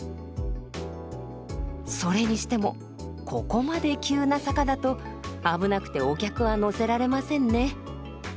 それにしてもここまで急な坂だと危なくてお客は乗せられませんね。